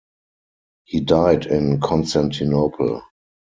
He died in Constantinople.